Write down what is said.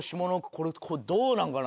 これどうなんかな？